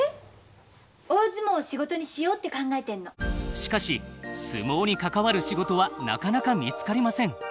しかし相撲に関わる仕事はなかなか見つかりません。